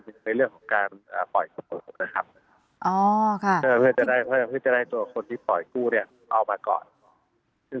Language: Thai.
ในเรื่องของการปล่อยกู้เพื่อจะได้ตัวคนที่ปล่อยกู้เอามาก่อน